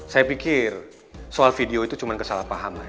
saya pikir soal video itu cuma kesalahpahaman